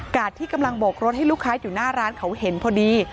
ที่กำลังโบกรถให้ลูกค้าอยู่หน้าร้านเขาเห็นพอดี